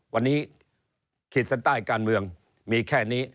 วันนี้ขีดเส้นใต้การเมืองมีแค่นี้